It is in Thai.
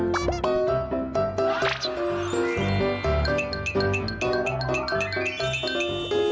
แว้ว